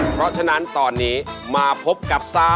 เพราะฉะนั้นตอนนี้มาพบกับซา